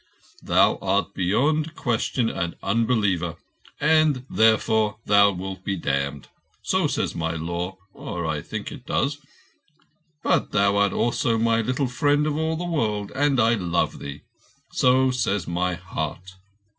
"Thou art beyond question an unbeliever, and therefore thou wilt be damned. So says my Law—or I think it does. But thou art also my Little Friend of all the World, and I love thee. So says my heart.